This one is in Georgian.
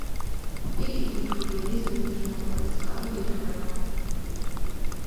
იგი გუთური ენის უმნიშვნელოვანეს წყაროდ ითვლება.